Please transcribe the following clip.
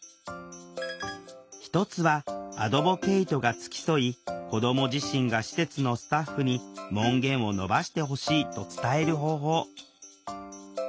一つはアドボケイトが付き添い子ども自身が施設のスタッフに「門限を延ばしてほしい」と伝える方法。